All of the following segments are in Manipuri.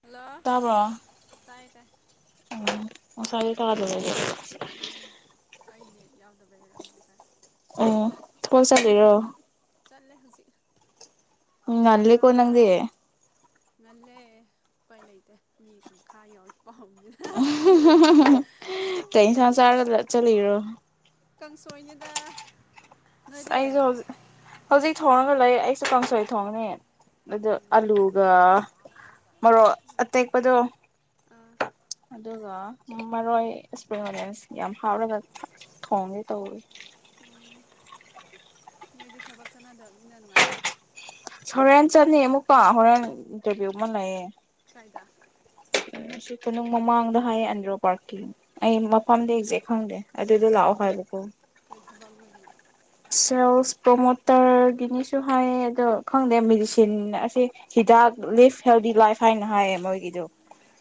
ꯍꯜꯂꯣ ꯇꯥꯕ꯭ꯔꯣ ꯇꯥꯏ ꯇꯥꯏ ꯎꯝ ꯉꯁꯥꯏꯉꯩ ꯇꯥꯗꯕꯒꯤꯅꯦ ꯎꯝ ꯑꯩ ꯅꯦꯠ ꯌꯥꯎꯗꯕꯩ ꯑꯣꯏꯔꯝꯅꯤ ꯉꯁꯥꯏ ꯑꯣ ꯀꯣꯏ ꯆ ꯇꯦꯑꯣ ꯆꯠꯂꯦ ꯍꯧꯖꯤꯛ ꯅꯨꯡꯁꯥ ꯉꯜꯂꯤ ꯀꯣ ꯁꯥꯕꯅ ꯅꯪꯗꯤ ꯉꯜꯂꯦ ꯎꯄꯩ ꯂꯩꯇꯦ ꯃꯤ ꯃꯈꯥ ꯌꯧꯕ ꯄꯥꯎꯅꯤꯅ ꯀꯩ ꯏꯟꯁꯥꯡ ꯆꯥꯔꯒ ꯆꯠꯂꯤꯔꯣ ꯀꯥꯡꯁꯣꯏꯅꯤꯗ ꯅꯣꯏꯗꯤ ꯑꯩꯖꯨ ꯍꯧꯖꯤꯛ ꯍꯧꯖꯤꯛ ꯊꯣꯡꯉꯒ ꯂꯩ ꯑꯩꯁꯨ ꯀꯥꯡꯁꯣꯏ ꯊꯣꯡꯑꯦ ꯑꯗꯨ ꯑꯂꯨꯒ ꯃꯣꯔꯣꯛ ꯑꯇꯦꯛꯄꯗꯣ ꯑꯥ ꯑꯗꯨꯒ ꯃꯔꯣꯏ ꯏꯁꯄ꯭ꯔꯤꯡ ꯑꯣꯅꯤꯌꯟꯁ ꯌꯥꯝ ꯍꯥꯎꯔꯒ ꯊ ꯊꯣꯡꯒꯦ ꯇꯧꯔꯤ ꯎꯝ ꯅꯣꯏꯗꯤ ꯊꯕꯛ ꯆꯠꯅꯗꯕꯅꯤꯅ ꯅꯨꯡꯉꯥꯏꯔꯦ ꯍꯣꯔꯦꯟ ꯆꯠꯅꯤ ꯑꯃꯨꯛꯀ ꯍꯣꯔꯦꯟ ꯏꯟꯇ꯭ꯔꯚꯤꯌꯨ ꯑꯃ ꯂꯩꯌꯦ ꯀꯥꯏꯗꯥ ꯑꯩꯁꯨ ꯀꯣꯅꯨꯡ ꯃꯃꯥꯡꯗ ꯍꯥꯏꯌꯦ ꯑꯟꯗ꯭ꯔꯣ ꯄꯥ꯭ꯔꯛꯀꯤ ꯑꯩ ꯃꯐꯝꯗꯤ ꯑꯦꯛꯖꯦꯛ ꯈꯪꯗꯦ ꯑꯗꯨꯗꯣ ꯂꯥꯛꯑꯣ ꯍꯥꯏꯕꯀꯣ ꯀꯩ ꯊꯕꯛꯅꯣꯗꯨꯅ ꯁꯦꯜꯁ ꯄ꯭ꯔꯃꯣꯗ ꯇꯔ ꯒꯤꯅꯦꯁꯨ ꯍꯥꯏꯌꯦ ꯑꯗꯣ ꯈꯪꯗꯦ ꯃꯦꯗꯤꯁꯤꯟ ꯑꯁꯦ ꯍꯤꯗꯥꯛ ꯂꯤꯐ ꯍꯦꯜꯗꯤ ꯂꯥꯏꯐ ꯍꯥꯏꯅ ꯍꯥꯏꯌꯦ ꯃꯣꯏꯒꯤꯗꯣ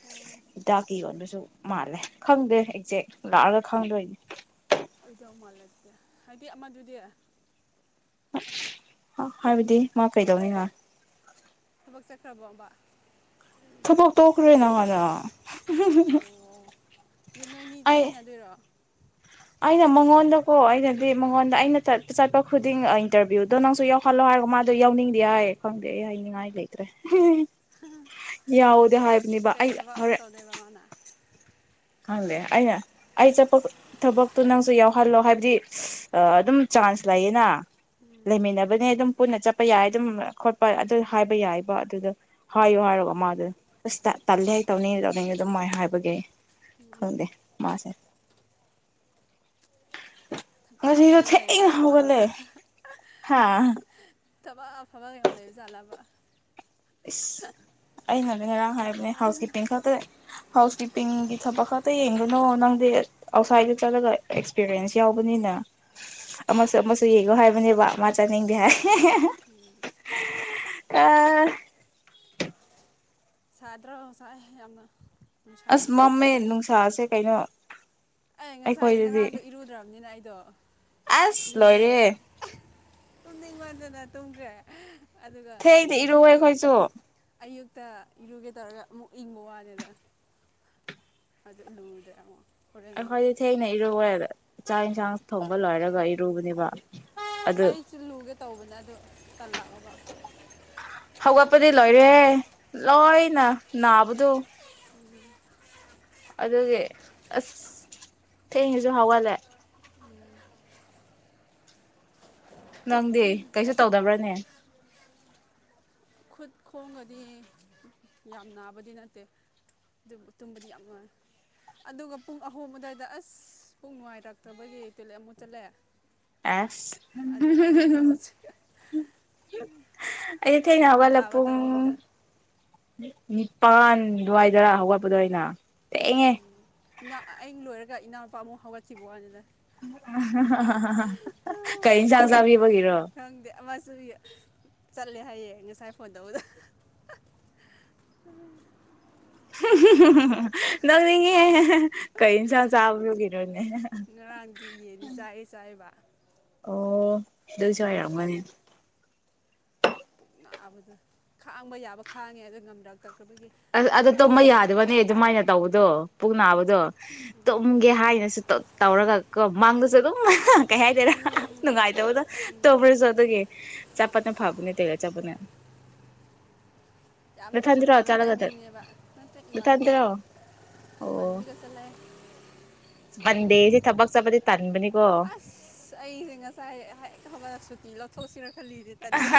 ꯑꯣ ꯍꯤꯗꯥꯛꯀꯤ ꯌꯣꯟꯕꯁꯨ ꯃꯥꯜꯂꯦ ꯈꯪꯗꯦ ꯑꯦꯛꯖꯦꯛ ꯂꯥꯛꯑꯒ ꯈꯪꯗꯣꯏꯅꯦ ꯑꯣꯏꯗꯧ ꯃꯥꯜꯂꯛꯇꯦ ꯍꯥꯏꯗꯤ ꯑꯃꯗꯨꯗꯤ ꯎꯝ ꯍ ꯍꯥꯏꯕꯗꯤ ꯃꯥ ꯀꯩꯗꯧꯏꯅꯤ ꯃꯥ ꯊꯕꯛ ꯆꯠꯈ꯭ꯔꯕꯣꯕꯥ ꯊꯕꯛ ꯇꯣꯛꯈ꯭ꯔꯦ ꯅꯍ ꯥꯟꯅ ꯑꯣ ꯑꯗꯨ ꯅꯣꯏꯅꯤ ꯑꯩ ꯆꯠꯃꯤꯟꯅꯗꯣꯏꯔꯣ ꯑꯩꯅ ꯃꯉꯣꯟꯗꯀꯣ ꯑꯩꯅꯗꯤ ꯃꯉꯣꯟꯗ ꯑꯩꯅ ꯆꯠꯄ ꯈꯨꯗꯤꯡ ꯏꯟꯇꯔꯚꯤꯌꯨꯗꯣ ꯅꯪꯁꯨ ꯌꯥꯎꯍꯜꯂꯣ ꯍꯥꯏꯔꯒ ꯃꯥꯗꯣ ꯌꯥꯎꯅꯤꯡꯗꯦ ꯍꯥꯏ ꯈꯪꯗꯦ ꯑꯩ ꯍꯥꯏꯅꯤꯡꯉꯥꯏ ꯂꯩꯇ꯭ꯔꯦ ꯌꯥꯎꯗꯦ ꯍꯥꯏꯕꯅꯦꯕ ꯀꯩ ꯑꯩ ꯊꯕꯛ ꯑꯃꯨꯛ ꯍꯣꯔꯦꯟ ꯇꯧꯗꯣꯏꯕ ꯃꯥꯅ ꯈꯪꯗꯦ ꯑꯩꯅ ꯑꯩ ꯆꯠꯄ ꯊꯕꯛꯇꯣ ꯅꯪꯁꯨ ꯌꯥꯎꯍꯜꯂꯣ ꯍꯥꯏꯕꯗꯤ ꯑꯥ ꯑꯗꯨꯝ ꯆꯥꯟꯁ ꯂꯩꯌꯦꯅ ꯂꯩꯃꯤꯟꯅꯕꯅꯦ ꯑꯗꯨꯝ ꯄꯨꯟꯅ ꯆꯠꯄ ꯌꯥꯏ ꯑꯗꯨꯝ ꯈꯣꯠꯄ ꯑꯗꯨ ꯍꯥꯏꯕ ꯌꯥꯏꯕ ꯑꯗꯨꯗ ꯍꯥꯏꯌꯨ ꯍꯥꯏꯒ ꯃꯥ ꯑꯗꯨ ꯑꯁ ꯇ ꯇꯜꯂꯦ ꯑꯩ ꯇꯧꯅꯤꯡ ꯇꯧꯅꯤꯡꯗꯦ ꯑꯗꯨꯝꯃꯥꯏ ꯍꯥꯏꯕꯒꯤ ꯎꯝ ꯈꯪꯗꯦ ꯃꯥꯁꯦ ꯊꯕꯛ ꯉꯁꯤꯁꯨ ꯑꯐꯕ ꯂꯩꯕ ꯊꯦꯡꯅ ꯖꯥꯠꯂꯥ ꯍꯧꯒꯠꯂꯦ ꯃꯥꯒꯤꯗꯣ ꯍꯥ ꯊꯕꯛ ꯑꯐꯕ ꯌꯥꯝ ꯂꯩꯕ ꯖꯥꯠꯂꯕ ꯏꯁ ꯑꯩꯅꯅꯦ ꯉꯔꯥꯡ ꯍꯥꯏꯕꯅꯦ ꯍꯥꯎꯁ ꯀꯤꯞꯄꯤꯡ ꯈꯛꯇ ꯍꯥꯎꯁ ꯀꯤꯞꯄꯤꯡꯒꯤ ꯊꯕꯛ ꯈꯛꯇ ꯌꯦꯡꯂ ꯅꯨ ꯅꯪꯗꯤ ꯑꯥꯎꯠꯁꯥꯏꯠꯇ ꯆꯠꯂꯒ ꯑꯦꯛꯁꯄꯤꯔꯤꯌꯦꯟꯁ ꯌꯥꯎꯕꯅꯤꯅ ꯑꯃꯁꯨ ꯑꯃꯁꯨ ꯎꯝ ꯌꯦꯡꯉꯣ ꯍꯥꯏꯕꯅꯦꯕ ꯃꯥ ꯆꯠꯅꯤꯡꯗꯦ ꯎꯝ ꯍꯥꯏ ꯎꯝ ꯑꯥ ꯁꯥꯗ꯭ꯔꯣ ꯁꯥꯥꯏ ꯌꯥꯝꯅ ꯅꯨꯡꯁꯥ ꯑꯁ ꯌꯥꯝ ꯀꯜꯂꯦ ꯃꯝꯃꯦ ꯅꯨꯡꯁꯥꯁꯦ ꯀꯩꯅꯣ ꯑꯩ ꯉꯁꯥꯏ ꯑꯩꯈꯣꯏꯗꯗꯤ ꯉꯔꯥꯡꯗꯣ ꯏꯔꯨꯗ꯭ꯔꯕꯅꯤꯅ ꯑꯩꯗꯣ ꯑꯁ ꯏꯔꯨꯗ꯭ꯔꯦ ꯂꯣꯏꯔꯦ ꯇꯨꯝꯅꯤꯡꯃꯟꯗꯅ ꯗꯨꯒ ꯑꯗꯨꯒ ꯊꯦꯡꯅ ꯉꯁꯤ ꯏꯔꯨꯋꯦ ꯑ ꯑꯩꯈꯣꯏꯁꯨ ꯑꯌꯨꯛ ꯇ ꯏꯔꯨꯒꯦ ꯇꯧꯔꯒ ꯑꯃꯨꯛ ꯏꯪꯕ ꯋꯥꯅꯦꯗ ꯑꯗꯨ ꯂꯨꯗꯦ ꯑꯃꯨꯛ ꯑꯃꯨꯛ ꯑꯩꯈꯣꯏꯗꯤ ꯊꯦꯡꯅ ꯏꯔꯨꯋꯦ ꯆꯥꯛ ꯑꯟꯁꯥꯡ ꯊꯣꯡ ꯕ ꯂꯣꯏꯔꯒ ꯏꯔꯨꯕꯅꯦꯕ ꯑꯗꯨ ꯑꯩꯁꯨ ꯂꯨꯒꯦ ꯇꯧꯕꯅꯦ ꯑꯗꯨ ꯇꯜꯂꯛꯑ ꯍꯧꯒꯠꯄꯗꯤ ꯂꯣꯏꯔꯦ ꯂꯣꯏꯅ ꯅꯥꯕꯗꯨ ꯑꯗꯨꯒꯤ ꯑꯁ ꯊꯦꯡꯁꯤꯁꯨ ꯍꯧꯒꯠꯂꯦ ꯅꯪꯗꯤ ꯀꯩꯁꯨ ꯇꯧꯗꯕ꯭ꯔꯥꯅꯦ ꯈꯨꯠ ꯈꯣꯡꯒꯗꯤ ꯌꯥꯝ ꯅꯥꯕꯗꯤ ꯅꯠꯇꯦ ꯑꯗꯨ ꯇꯨꯝꯕꯗꯤ ꯌꯥꯝ ꯅꯨꯡꯉꯥꯏ ꯑꯗꯨꯒ ꯄꯨꯡ ꯑꯍꯨꯡ ꯑꯗꯨꯗꯥꯏꯗ ꯑꯁ ꯄꯨꯛ ꯅꯨꯡꯉꯥꯏꯔꯛꯇꯕꯒꯤ ꯇꯣꯏꯂꯦꯠ ꯑꯃꯨꯛ ꯆꯠꯂꯦ ꯑꯦꯁ ꯑꯗꯨ ꯑꯌꯨꯛꯇ ꯍꯧꯖꯤꯛ ꯑꯩ ꯐꯔꯛ ꯊꯦꯡꯅ ꯌꯥꯝ ꯍꯧꯒꯠ ꯂ ꯇꯥꯕ ꯇꯥꯏꯃꯤꯡꯗ ꯅꯤꯄꯥꯟ ꯑꯗꯨꯋꯥꯏꯗꯔꯥ ꯍꯧꯒꯠꯄꯗꯣ ꯑꯩꯅ ꯊꯦꯡꯉꯦ ꯎꯝ ꯏ ꯑꯩ ꯂꯣꯏꯔꯒ ꯏꯅꯥꯎ [inaudible] ꯀꯩ ꯑꯦꯟꯁꯥꯡ ꯆꯥꯕꯤꯕꯒꯤꯔꯣ ꯈꯪꯗꯦ ꯑꯃꯁꯨ ꯆꯠꯂꯦ ꯍꯥꯏꯌꯦ ꯉꯁꯥꯏ ꯐꯣꯟꯇꯧꯕꯗ ꯍꯝꯍꯝ ꯅꯣꯡꯅꯤꯡꯉꯦ ꯀꯩ ꯑꯦꯟꯁꯥꯡ ꯆꯥꯕꯗꯨꯒꯤꯔ ꯉꯔꯥꯡꯗꯤ ꯌꯦꯟꯗꯤ ꯆꯥꯏ ꯆꯥꯏꯕ ꯑꯣ ꯑꯗꯨꯏꯁꯨ ꯑꯗꯨꯒꯤꯔ ꯑꯣꯏꯔꯝꯒꯅꯤ ꯈꯪꯗꯦ ꯄꯨꯛ ꯅꯥꯕꯗ ꯈꯥꯡꯕ ꯌꯥꯕ ꯈꯥꯡꯉꯦ ꯑꯗꯨ ꯉꯝꯗꯕꯇꯛ ꯑꯁ ꯑꯗꯨꯗꯣ ꯇꯨꯝꯕ ꯌꯥꯗꯕꯅꯦ ꯑꯗꯨꯃꯥꯏꯅ ꯇꯧꯕꯗꯣ ꯄꯨꯛ ꯅꯥꯕꯗꯣ ꯇꯨꯝꯒꯦ ꯍꯥꯏꯅꯁꯨ ꯇꯧꯔꯒ ꯀꯣ ꯃꯥꯡꯗꯁꯨ ꯑꯗꯨꯝ ꯀꯩ ꯍꯥꯏꯗꯣꯏꯅꯣ ꯅꯨꯡꯉꯥꯏꯇꯕꯗꯣ ꯇꯣꯕ꯭ꯔꯁꯨ ꯑꯗꯨꯒꯤ ꯆꯥꯠꯄꯅ ꯐꯥꯕꯅꯦ ꯇꯣꯏꯂꯦꯠ ꯆꯠꯄꯅ ꯌꯥꯝ ꯇꯨꯝꯕ ꯅꯊꯟꯗꯔꯣ ꯅꯨꯡꯉꯥꯏꯕ ꯆꯠꯂꯒ ꯇꯥꯏꯃꯤꯡꯅꯦꯕ ꯅꯠꯇ꯭ꯔꯦ ꯏꯃꯥꯟꯕꯤ ꯒ ꯅꯊꯟꯗꯔꯣ ꯑꯣ ꯏꯃꯥꯟꯕꯤꯒ ꯆꯠꯂꯦ ꯃꯟꯗꯦꯁꯦ ꯊꯕꯛ ꯆꯠꯄꯗꯤ ꯇꯟꯕꯅꯤꯀꯣ ꯑꯁ ꯂꯧ ꯊꯣꯛꯑꯁꯤꯔ ꯈꯜꯂꯤꯅꯦ ꯇꯟꯕꯩ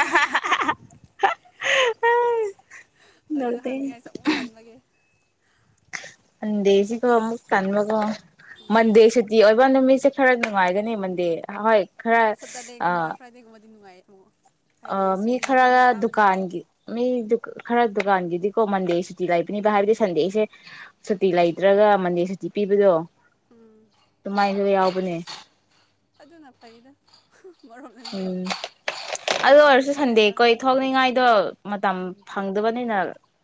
ꯑꯗꯨ ꯅꯣꯛꯅꯤꯡ ꯍꯪꯅꯤꯡꯉꯥꯏꯁꯨ ꯑꯃꯨꯛ ꯇꯟꯕꯒꯤ ꯁꯟꯗꯦꯁꯦ ꯑꯃꯨꯛ ꯇꯟꯕꯀꯣ ꯃꯟꯗꯦ ꯁꯨꯇꯤ ꯑꯣꯏꯕ ꯅꯨꯃꯤꯠ ꯁꯦ ꯈꯔ ꯅꯨꯡꯉꯥꯏꯒꯅꯤ ꯃꯗꯟꯗꯦ ꯍꯣꯏ ꯈꯔ ꯁꯇ꯭ꯔꯗꯦꯒꯨꯝꯕ ꯐ꯭ꯔꯥꯏꯗꯦꯒꯨꯝꯕꯗꯤ ꯅꯨꯡꯉꯥꯏꯌꯦ ꯑꯣ ꯑꯥ ꯃꯤ ꯈꯥꯔ ꯗꯨꯀꯥꯟꯒꯤ ꯃꯤꯗꯨ ꯈꯥꯔ ꯗꯨꯀꯥꯟꯒꯤꯗꯤꯀꯣ ꯃꯟꯗꯦ ꯁꯨꯇꯤ ꯂꯩꯕꯅꯦꯕ ꯍꯥꯏꯕꯗꯤ ꯁꯟꯗꯦꯁꯦ ꯁꯨꯇꯤ ꯂꯩꯇ꯭ꯔꯒ ꯃꯟꯗꯦ ꯁꯨꯇꯤ ꯄꯤꯕꯗꯣ ꯎꯝ ꯑꯗꯨꯃꯥꯏꯅꯁꯨ ꯌꯥꯎ ꯕꯅꯦ ꯑꯗꯨꯅ ꯐꯩꯗ ꯑꯃꯔꯣꯝꯗ ꯎꯝ ꯈꯜꯂꯗꯤ ꯁꯟꯗꯦ ꯑꯗꯨ ꯁꯨꯇꯤ ꯑꯣꯏꯔꯁꯨ ꯁꯟꯗꯦ ꯄꯤꯔꯒ ꯀꯣꯏ ꯃꯟꯗꯦꯗ ꯊꯣꯛꯅꯤꯡꯉꯥꯏꯗꯣ ꯆꯠꯅꯤꯡꯉꯦ ꯃꯇꯝ ꯐꯪꯗꯕꯅꯤꯅ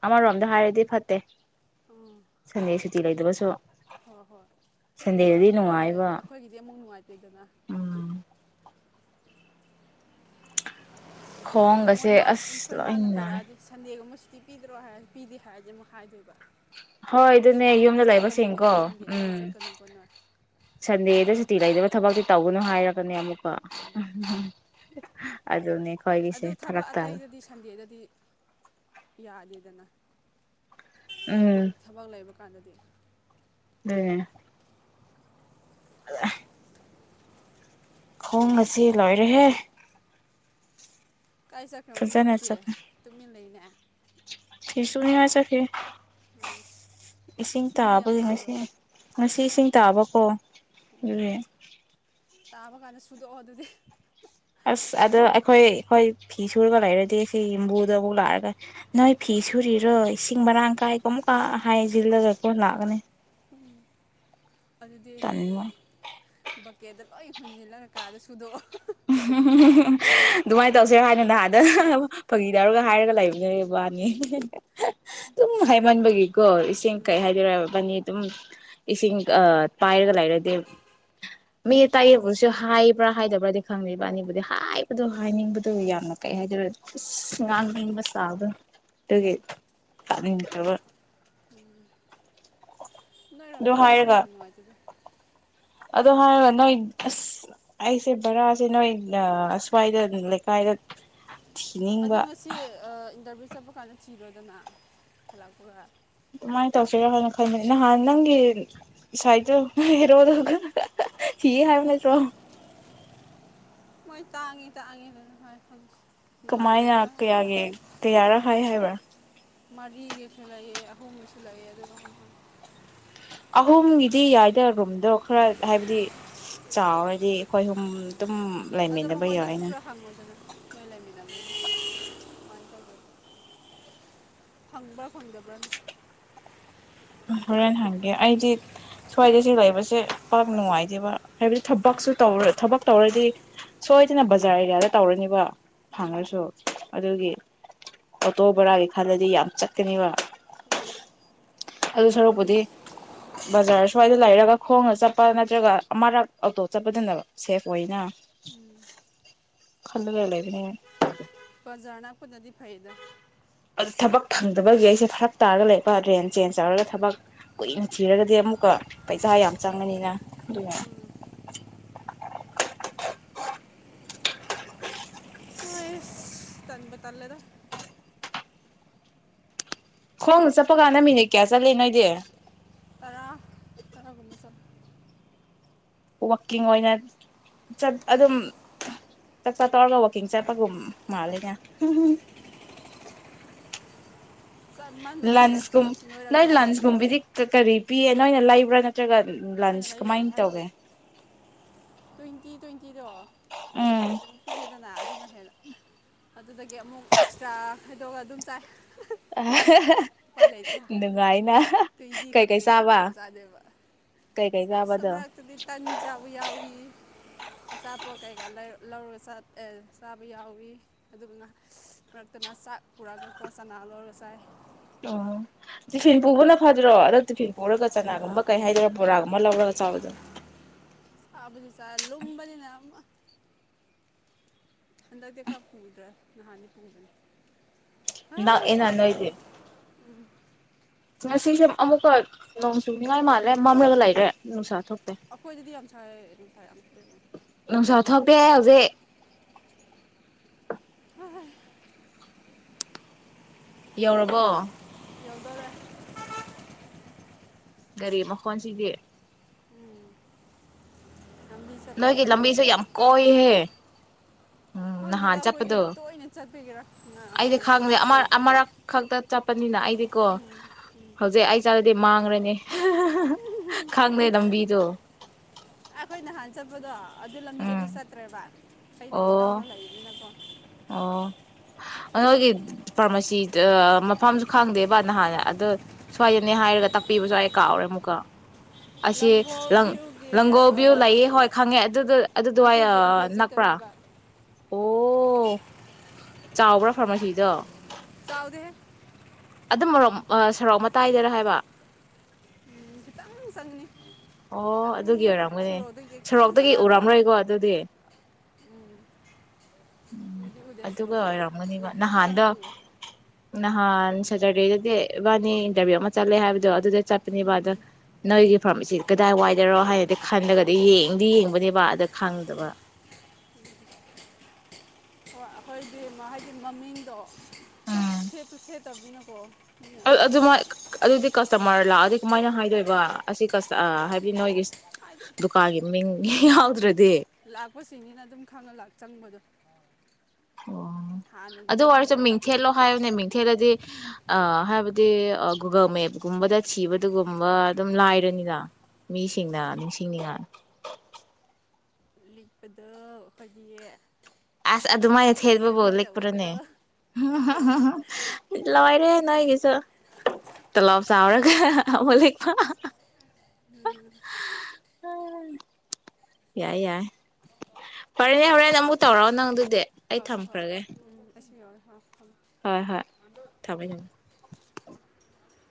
ꯑꯃꯔꯣꯝꯗ ꯍꯥꯏꯔꯗꯤ ꯐꯠꯇꯦ ꯎꯝ ꯁꯟꯗꯦ ꯁꯨꯇꯤ ꯂꯩꯇꯕꯁꯨ ꯎꯝ ꯍꯣꯏ ꯍꯣꯏ ꯁꯟꯗꯦꯗꯗꯤ ꯅꯨꯡꯉꯥꯏꯕ ꯑꯗꯨꯗꯨꯅ ꯎꯝ ꯃꯣꯏ ꯈꯣꯡꯒꯁꯦ ꯃꯥ ꯌꯨꯝ ꯑꯁ ꯑꯩꯈꯣꯏ ꯂꯣꯏ ꯃꯥꯅ ꯅꯥꯏ ꯇꯧꯔꯛꯑꯗꯤ ꯁꯟꯗꯦꯒꯨꯝꯕ ꯁꯨ ꯄꯤ ꯄꯤꯗ꯭ꯔꯣ ꯍꯥꯏ ꯄꯤꯗꯦ ꯍꯥꯏꯔꯗꯤ ꯑꯃꯨꯛ ꯍꯥꯏꯗꯣꯏꯕ ꯍꯣꯏ ꯑꯗꯨꯅꯦ ꯁꯨꯇꯤꯗꯗꯤ ꯌꯨꯝꯗ ꯆꯠꯀꯅꯨꯅꯦ ꯂꯩꯕꯁꯤꯡꯀꯣ ꯑꯦ ꯁꯟꯗꯦꯗꯗꯤ ꯎꯝ ꯆꯠꯀꯅꯨꯀꯣ ꯅꯣꯏ ꯑꯗꯨꯝ ꯁꯟꯗꯦꯗ ꯍꯥꯏꯅꯤ ꯁꯨꯇꯤ ꯂꯩꯗꯕ ꯊꯕꯛꯇꯤ ꯇꯧꯒꯅꯨ ꯍꯥꯏꯔꯛ ꯑꯗꯨꯅꯦ ꯑꯃꯨꯛꯀ ꯑꯝ ꯑꯗꯨꯅꯦ ꯈꯣꯏꯒꯤꯁꯦ ꯑꯗꯨ ꯐꯔꯛ ꯊꯕꯛ ꯇꯥ ꯑꯇꯩꯗꯗꯤ ꯁꯟꯗꯦꯗꯗꯤ ꯌꯥꯗꯦꯗꯅ ꯍꯥꯏꯗꯤ ꯊꯕꯛ ꯂꯩꯕ ꯀꯥꯟꯗꯗꯤ ꯗꯨꯅꯦ [unintelligible] ꯈꯣꯡꯑꯁꯤ ꯂꯣꯏꯔꯦꯍꯦ ꯀꯥꯏ ꯆꯠꯈ꯭ꯔꯕ ꯐꯖꯅ ꯑꯃꯗꯨꯗꯤ ꯇꯨꯃꯤꯟ ꯂꯩꯅꯦ ꯌꯥ ꯐꯤꯁꯨꯅꯤ ꯍꯥꯏ ꯆꯠꯈꯤ ꯏꯁꯤꯡ ꯏꯁꯤꯡꯗꯤ ꯌꯥꯝ ꯇꯥꯕꯒꯤ ꯉꯁꯤ ꯇꯥꯕ꯭ꯔꯣ ꯉꯁꯤ ꯏꯁꯤꯡ ꯇꯥꯕꯀꯣ ꯑꯣ ꯑꯗꯨꯅꯦ ꯇꯥꯕ ꯀꯥꯟꯗ ꯁꯨꯗꯣꯛꯑꯣ ꯑꯗꯨꯗꯤ ꯑꯁ ꯑꯗꯣ ꯑꯩꯈꯣꯏ ꯈꯣꯏ ꯐꯤ ꯁꯨꯔꯒ ꯂꯩꯔꯗꯤ ꯁꯤ ꯌꯕꯨꯗꯣ ꯑꯃꯨꯛ ꯂꯥꯛꯑꯒ ꯅꯣꯏ ꯐꯤ ꯁꯨꯔꯤꯔꯣ ꯏꯁꯤꯡ ꯃꯔꯥꯡ ꯀꯥꯏ ꯀꯣ ꯑꯃꯨꯛꯀ ꯍꯥꯏꯖꯤꯜꯂꯒ ꯀꯣ ꯂꯥꯛꯑꯒꯅꯦ ꯑꯗꯨꯗꯤ ꯇꯟꯕ ꯕꯀꯦꯠꯗ ꯂꯣꯏ ꯍꯣꯟꯖꯤꯜꯂꯒ ꯀꯥꯗ ꯁꯨꯗꯣꯛꯑꯣ ꯍꯝ ꯍꯝ ꯑꯗꯨꯃꯥꯏꯅ ꯇꯧꯁꯦ ꯍꯥꯏꯅ ꯅꯍꯥꯥꯟꯗ ꯑꯥ ꯐꯥꯒꯤꯗꯧꯔꯒ ꯍꯥꯏꯔꯒ ꯂꯩꯕ ꯂꯩꯕꯥꯅꯤ ꯑꯗꯨꯨꯝ ꯍꯩꯃꯟꯕꯒꯤ ꯀꯣ ꯏꯁꯤꯡ ꯀꯩ ꯍꯥꯏꯗꯣꯏꯔꯕꯅꯤ ꯑꯗꯨꯝ ꯏꯁꯤꯡ ꯑ ꯄꯥꯏ ꯂꯩꯔꯗꯤ ꯃꯤ ꯑꯇꯥꯏꯕꯨꯁꯨ ꯍꯥꯏꯕ꯭ꯔꯥ ꯍꯥꯏꯗꯕ꯭ꯔꯥꯗꯤ ꯈꯪꯗꯦ ꯏꯕꯥꯅꯤꯕꯨꯗꯤ ꯍꯥꯏꯕꯗꯣ ꯍꯥꯏꯅꯤꯡꯕꯗꯣ ꯌꯥꯝꯅ ꯀꯩ ꯍꯥꯏꯗꯣꯔ ꯄꯨꯁ ꯉꯥꯡꯅꯤꯡꯕ ꯁꯥꯕ ꯑꯗꯨꯒꯤ ꯇꯥꯅꯤꯡ [unintelligible] ꯎꯝ ꯑꯗꯨ ꯅꯣꯏꯔꯣꯝꯗꯗꯤ ꯏꯁꯤꯡ ꯌꯥꯝ ꯅꯨꯡꯉꯥꯏꯇꯦꯗ ꯑꯗꯣ ꯍꯥꯏꯔꯒ ꯅꯣꯏ ꯑꯁ ꯑꯩꯁꯦ ꯕꯔꯥꯖꯦ ꯅꯣꯏꯅ ꯑꯁ꯭ꯋꯥꯏꯗ ꯂꯩꯀꯥꯏꯗ ꯑꯗꯣ ꯊꯤꯅꯤꯡꯕ ꯉꯁꯤ ꯏꯟꯇꯔꯚꯌꯨ ꯆꯠ ꯄ ꯀꯥꯟꯗ ꯊꯤꯔꯣꯗꯅ ꯍꯜꯂꯛꯄꯒ ꯀꯃꯥꯏꯅ ꯇꯧꯁꯤꯔ ꯍꯥꯏꯅ ꯈꯟꯕꯅꯦ ꯅꯍꯥꯟ ꯅꯪꯒꯤ ꯁꯥꯏꯗꯣ ꯍꯦꯔꯣꯗꯣ ꯍ ꯍ ꯊꯤꯌꯦ ꯍꯥꯏꯕ ꯅꯠꯇ꯭ꯔꯣ ꯃꯣꯏ ꯇꯥꯡꯉꯤ ꯇꯥꯡꯉꯤ ꯂꯣꯏꯅ ꯍꯥꯏ ꯍꯧꯖꯤꯛꯁꯨ ꯀꯃꯥꯏꯅ ꯀꯌꯥꯒꯤ ꯀꯌꯥꯔꯛ ꯍꯥꯏ ꯍꯥꯏꯕ꯭ꯔꯥ ꯃꯔꯤꯒꯤꯁꯨ ꯂꯩꯑꯦ ꯑꯍꯨꯝꯒꯤꯁꯨ ꯂꯩꯑꯦ ꯑꯗꯨꯒ ꯑꯍꯨꯝꯒꯤꯗꯤ ꯌꯥꯏꯗꯔꯨꯝ ꯑꯗꯣ ꯈꯔ ꯍꯥꯏꯕꯗꯤ ꯆꯥꯎꯔꯗꯤ ꯑꯩꯈꯣꯏ ꯍꯨꯝ ꯑꯗꯨꯝ ꯂꯩꯃꯤꯟꯅꯕ ꯌꯥꯏꯅ ꯐꯪꯕ꯭ꯔꯥ ꯐꯪꯗꯕ꯭ꯔꯥ ꯍꯣꯔꯦꯟ ꯍꯪꯒꯦ ꯑꯩꯗꯤ ꯁ꯭ꯋꯥꯏꯗꯁꯤ ꯂꯩꯕꯁꯦ ꯄꯥꯛ ꯅꯨꯡꯉꯥꯏꯇꯦꯕ ꯍꯥꯏꯕꯗꯤ ꯊꯕꯛꯁꯨ ꯇꯧ ꯊꯕꯛ ꯇꯧꯔꯗꯤ ꯁꯣꯏꯗꯅ ꯕꯖꯥꯔ ꯑꯦꯔꯤꯌꯥꯗ ꯇꯧꯔꯅꯤꯕ ꯐꯪꯉꯁꯨ ꯑꯗꯨꯒꯤ ꯑꯣꯇꯣ ꯕꯣꯔꯥꯒꯤ ꯈꯜꯂꯗꯤ ꯌꯥꯝ ꯆꯠꯀꯅꯤꯕ ꯑꯗꯨ ꯁꯔꯨꯛꯄꯨꯗꯤ ꯕꯖꯥꯔ ꯁ꯭ꯋꯥꯏꯗ ꯂꯩꯔꯒ ꯈꯣꯡꯅ ꯆꯠꯄ ꯅꯠꯇ꯭ꯔꯒ ꯑꯃꯔꯛ ꯑꯣꯇꯣ ꯆꯠꯄꯗꯨꯅ ꯁꯦꯐ ꯑꯣꯏꯅ ꯈꯜꯂꯒ ꯂꯩꯕꯅꯦ ꯕꯖꯥꯔ ꯅꯛꯄꯗꯨꯗꯤ ꯐꯩꯗ ꯊꯕꯛ ꯐꯪꯗꯕꯒꯤ ꯑꯩꯁꯦ ꯐꯔꯛ ꯇꯥꯔꯒ ꯂꯩꯕ ꯔꯦꯟ ꯆꯦꯟꯁ ꯇꯧꯔꯒ ꯊꯕꯛ ꯀꯨꯏꯅ ꯊꯤꯔꯒꯗꯤ ꯑꯃꯨꯛꯀ ꯄꯩꯁꯥ ꯌꯥꯝ ꯆꯪꯉꯅꯤꯅ ꯑꯗꯨꯅ ꯇꯟꯕꯨ ꯇꯜꯂꯦꯗ ꯈꯣꯡꯅ ꯆꯠꯄ ꯀꯥꯟꯗ ꯃꯤꯅꯤꯠ ꯀꯌꯥ ꯆꯠꯂꯤ ꯅꯣꯏꯗꯤ [unintelligible] ꯋꯥꯛꯀꯤꯡ ꯑꯣꯏꯅ ꯆꯠ ꯑꯗꯨꯝ ꯆꯥꯛ ꯆꯥ ꯇꯧꯔꯒ ꯋꯥꯛꯀꯤꯡ ꯆꯠꯄꯒꯨꯝ ꯃꯥꯂꯦꯅꯦ ꯍꯝ ꯍꯝ ꯂꯟꯁꯀꯨꯝ ꯅꯣꯏ ꯂꯟꯁꯀꯨꯝꯕꯤꯗꯤ ꯀꯔꯤ ꯄꯤꯌꯦ ꯅꯣꯏꯅ ꯂꯩꯕ꯭ꯔꯥ ꯅꯠꯇ꯭ꯔꯒ ꯎꯝ ꯂꯟꯁ ꯀꯃꯥꯏꯅ ꯇꯧꯒꯦ ꯇ꯭ꯋꯦꯟꯇꯤ ꯇ꯭ꯋꯦꯟ ꯅꯨꯡꯇꯤꯗꯣ ꯎꯝ ꯅꯨꯡꯇꯤꯒꯤ ꯑꯗꯨꯝ ꯄꯤꯌꯦꯗꯅ ꯑꯗꯨꯅ ꯍꯦꯟꯅ ꯑꯗꯨꯗꯒꯤ ꯑꯃꯨꯛ ꯑꯦꯛꯁꯇ꯭ꯔꯥ ꯈꯥꯏꯗꯣꯛꯑꯒ ꯑꯗꯨꯝ ꯆꯥꯏ ꯑꯥ ꯍꯥ ꯍꯥ ꯅꯨꯡꯉꯥꯏꯅ ꯀꯩꯀꯩ ꯆꯥꯕ ꯀꯩꯀꯩ ꯑꯁ ꯆꯥꯕꯗꯣ ꯃꯛꯇꯗꯤ ꯇꯟꯆꯥꯕ ꯌꯥꯎꯏ ꯑꯆꯥꯄꯣꯠ ꯀꯩꯀꯥꯔ ꯂꯩꯔ ꯂꯧꯔ ꯆꯠ ꯑꯥ ꯆꯥꯕ ꯌꯥꯎꯏ ꯑꯗꯨꯒ ꯃꯔꯛꯇꯅ ꯆꯥꯛ ꯄꯨꯔꯛꯑꯒꯀꯣ ꯆꯅꯥ ꯂꯧꯔ ꯆꯥꯏ ꯎꯝ ꯇꯤꯐꯤꯟ ꯄꯨꯕꯅ ꯐꯥꯗ꯭ꯔꯣ ꯑꯗꯣ ꯇꯤꯐꯤꯟ ꯄꯨꯔꯒ ꯆꯅꯥꯒꯨꯝꯕ ꯀꯩ ꯍꯥꯏꯗꯣꯏꯔ ꯕꯣꯔꯥꯒꯨꯝꯕ ꯂꯧꯔꯒ ꯆꯥꯕꯗꯣ ꯆ ꯂꯨꯝꯕꯅꯤꯅ [unintelligible] ꯍꯟꯗꯛꯇꯤ ꯈ꯭ꯔꯥ ꯄꯨꯗ꯭ꯔꯦ ꯅꯍꯥꯗꯤ ꯄꯨꯕꯅꯤ ꯑ ꯅꯛꯑꯦꯅ ꯁꯥꯕꯗ ꯅꯣꯏꯗꯤ ꯁꯥꯕ ꯉꯁꯤꯁꯦ ꯑꯃꯨꯛꯀ ꯅꯣꯡ ꯆꯨꯅꯤꯡꯉꯥꯏ ꯃꯥꯜꯂꯦ ꯃꯝꯂꯒ ꯂꯩꯔꯦ ꯅꯨꯡꯁꯥ ꯊꯣꯛ ꯑꯩꯈꯣꯏ ꯗꯗꯤ ꯌꯥꯝ ꯁꯥꯏ ꯅꯨꯡꯁꯥ ꯌꯥꯝ ꯅꯨꯡꯁꯥ ꯀꯜꯂꯦꯕ ꯊꯣꯛꯇꯦ ꯍꯧꯖꯤꯛ ꯍꯥ ꯍꯥ ꯌꯧꯔꯕꯣ ꯌꯧꯗꯧꯔꯦ ꯒꯥꯔꯤ ꯃꯈꯣꯟꯁꯤꯗꯤ ꯂꯝꯕꯤ ꯅꯣꯏꯒꯤ ꯆꯠꯄꯅꯤꯅ ꯂꯝꯕꯤꯁꯦ ꯌꯥꯝ ꯀꯣꯏꯍꯦ ꯎꯝ ꯅꯍꯥꯟ ꯈꯪꯗꯦꯗ ꯑꯩꯈꯣꯏꯗꯤ ꯆꯠꯄꯗꯣ ꯇꯣꯏꯅ ꯆꯠꯄꯒꯤꯔ ꯑꯩꯗꯤ ꯉ- ꯌꯥꯝ ꯈꯪ ꯂꯥꯞꯄ ꯑꯃꯔꯛ ꯑꯣꯏꯗ꯭ꯔꯦ ꯑꯃꯔꯛ ꯈꯛꯇ ꯆꯠꯄꯅꯤꯅ ꯑꯩꯗꯤꯀꯣ ꯍꯧꯖꯤꯛ ꯑꯩ ꯆꯠꯂ ꯑꯗꯨꯗꯤ ꯃꯥꯡꯔꯅꯤ ꯍꯥ ꯍꯥ ꯈꯪꯗꯦ ꯂꯝꯕꯤꯗꯣ ꯑꯩꯈꯣꯏ ꯅꯍꯥꯟ ꯆꯠꯄꯗꯣ ꯑꯗꯨ ꯎꯝ ꯂꯝꯕꯤꯗꯨꯗꯤ ꯆꯠꯇ꯭ꯔꯦꯕ ꯑꯩꯅ ꯑꯣ ꯒꯣꯗꯥꯎꯟꯗ ꯂꯩꯔꯤꯅꯤꯅꯀꯣ ꯑꯣ ꯅꯣꯏꯒꯤ ꯐꯥꯔꯃꯥꯁꯤꯗ ꯃꯐꯝꯁꯨ ꯈꯪꯗꯦꯕ ꯅꯍꯥꯟ ꯑꯗꯣ ꯁ꯭ꯋꯥꯏꯗꯅꯦ ꯍꯥꯏꯔꯒ ꯇꯥꯛꯄꯤꯕꯁꯨ ꯑꯩ ꯀꯥꯎꯔꯦ ꯑꯃꯨꯛꯀ ꯑꯁꯤ ꯂꯪꯒꯣꯜ ꯂꯥꯡ ꯚ꯭ꯌꯨꯒꯤ ꯂꯥꯡꯒꯣꯜꯚ꯭ꯌꯨ ꯑꯥ, ꯂꯩꯌꯦ ꯍꯣꯏ ꯈꯪꯉꯦ ꯑꯗꯨꯗꯣ ꯑꯗꯨꯗꯨꯋꯥꯏ ꯑꯗꯨꯒꯤ ꯅꯛꯄ꯭ꯔꯥ ꯑꯄꯣꯖꯤꯠꯇꯅꯦꯕ ꯑꯣ ꯆꯥꯎꯕ꯭ꯔꯥ ꯐꯥꯔꯃꯥꯁꯤꯗꯣ ꯆꯥꯎꯗꯦꯍꯦ ꯑꯗꯨꯝ ꯃꯔꯣꯛ ꯁꯔꯣꯛ ꯃꯇꯥꯏꯗꯔꯥ ꯍꯥꯏꯕ ꯎꯝ, ꯈꯤꯇꯪ ꯆꯪꯅꯤ ꯑꯣ ꯈꯤꯇꯪ ꯑꯗꯨꯒꯤ ꯑꯣꯏꯔꯝꯒꯅꯤ ꯁꯣꯔꯣꯛꯗꯒꯤ ꯈꯤꯇꯪ ꯁꯣꯔꯣꯛꯇꯒꯤ ꯆꯪꯉꯒ ꯎꯔꯝꯔꯣꯏꯀꯣ ꯑꯗꯨꯗꯤ ꯎꯝ ꯎꯗꯤ ꯎꯗꯦ ꯑꯗꯨꯒ ꯁꯣꯔꯣꯛꯇꯗꯤ ꯑꯗꯣ ꯑꯣꯏꯔꯝꯒꯅꯤꯕ ꯈꯤꯇꯪ ꯅꯍꯥꯟꯗꯣ ꯆꯪꯉꯗꯤ ꯎꯔꯦ ꯅꯍꯥꯟ ꯁꯇꯔꯗꯦꯗꯗꯤ ꯏꯕꯥꯅꯤ ꯏꯟꯇꯔꯚꯤꯌꯨ ꯑꯃ ꯆꯠꯂꯦ ꯍꯥꯏꯕꯗꯣ ꯑꯗꯨꯗ ꯆꯠꯄꯅꯤꯕꯗꯣ ꯅꯣꯏꯒꯤ ꯐꯥꯔꯃꯁꯤ ꯀꯗꯥꯏ ꯋꯥꯏꯗꯔꯣ ꯍꯥꯏꯅꯗꯤ ꯈꯜꯂꯒꯗꯤ ꯌꯦꯡꯗꯤ ꯌꯦꯡꯕꯅꯦꯕ ꯗ ꯈꯪꯗꯕ ꯍꯣꯏ ꯑꯩꯈꯣꯏꯒꯤ ꯃꯥꯍꯩꯒꯤ ꯃꯃꯤꯡꯗꯣ [inaudible] ꯇꯝꯅꯤꯅꯀꯣ [unintelligible] ꯑꯗꯨꯃꯥꯏ ꯑꯗꯨꯗꯤ ꯀꯁꯇꯃꯔ ꯂꯥꯛꯑꯗꯤ ꯀꯃꯥꯏꯅ ꯍꯥꯏꯗꯣꯏꯕ ꯑꯁꯤ ꯀꯁ ꯍꯥꯏꯕꯗꯤ ꯅꯣꯏꯒꯤ ꯍꯥꯏꯗꯤ ꯗꯨꯀꯥꯟꯒꯤ ꯃꯤꯡ ꯌꯥꯎꯗ꯭ꯔꯗꯤ ꯂꯥꯛꯄꯁꯤꯡꯅꯤꯅ ꯑꯗꯨꯝ ꯈꯪꯉ ꯂꯥꯛ ꯆꯪꯕꯗꯣ ꯑꯣ ꯑꯗꯨ ꯍꯥꯟꯅꯗꯒꯤ ꯑꯗꯨꯝ ꯑꯣꯏꯔꯁꯨ ꯃꯤꯡꯊꯦꯠꯂꯣ ꯂꯩꯔꯕꯅꯤꯅ ꯍꯥꯏꯌꯣꯅꯦ ꯃꯤꯡꯊꯦꯠꯂꯗꯤ ꯑ ꯍꯥꯏꯕ ꯗꯤ ꯒꯨꯒꯜ ꯃꯦꯞꯒꯨꯝꯕꯗ ꯊꯤꯕꯗꯨꯒꯨꯝꯕ ꯑꯗꯨꯝ ꯂꯥꯏꯔꯅꯤꯅ ꯃꯤꯁꯤꯡꯅ ꯅꯤꯡꯁꯤꯡꯅꯤꯉ ꯀꯗꯧ ꯍꯣꯏꯕꯤꯌꯦ ꯑꯁ ꯑꯗꯨꯃꯥꯏꯅ ꯊꯦꯠꯄꯕꯨ ꯇꯧꯕꯗꯣ ꯂꯤꯛꯄꯥꯔꯥꯅꯦ ꯍꯍꯥ ꯂꯣꯏꯔꯦ ꯅꯣꯏꯒꯤꯁꯨ ꯇꯣꯂꯣꯞ ꯆꯥꯎꯔ ꯍ ꯍ ꯍ [unintelligible] [inaudible] [inaudible] ꯌꯥꯏ ꯌꯥꯏ ꯐꯔꯦꯅꯦ ꯍꯣꯔꯦꯟ ꯑꯃꯨꯛ ꯇꯧꯔꯛꯑꯣ ꯅꯪ ꯑꯗꯨꯗꯤ ꯑꯩ ꯍꯣꯏ ꯍꯣꯏ ꯍꯣꯏ ꯊꯝꯈ꯭ꯔꯒꯦ ꯎꯝ ꯑꯁꯤꯔꯣ [inaudible] ꯍꯣꯏ ꯍꯣꯏ ꯊꯝꯃꯦ ꯊꯝꯃꯦ